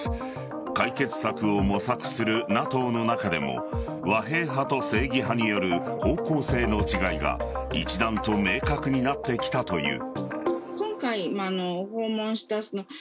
解決策を模索するＮＡＴＯの中でも和平派と正義派による方向性の違いが一段と明確になってきたという。